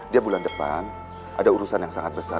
dia bulan depan ada urusan yang sangat besar